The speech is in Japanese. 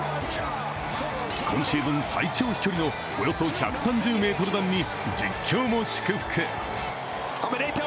今シーズン最長飛距離の１３０ｍ弾に実況も祝福。